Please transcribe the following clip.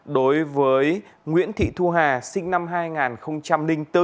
đối với nguyễn thị thu hà sinh năm hai nghìn bốn